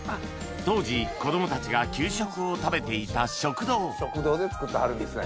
当時子供たちが給食を食べていた食堂食堂で作ってはるんですね。